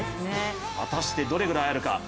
果たして、どれぐらいあるのか。